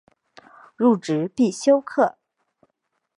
入职必修课